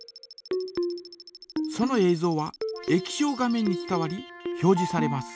ぞうは液晶画面に伝わり表じされます。